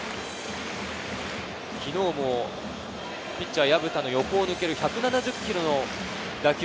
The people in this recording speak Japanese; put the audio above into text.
昨日もピッチャー・薮田の横を抜ける１７０キロの打球。